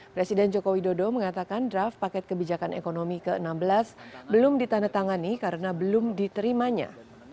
presiden jokowi dodo mengatakan draft paket kebijakan ekonomi ke enam belas belum ditandatangani karena belum diterimanya